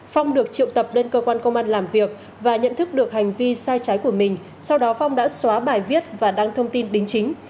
phong được triệu tập lên cơ quan công an làm việc và nhận thức được hành vi sai trái của mình sau đó phong đã xóa bài viết và đăng thông tin đính chính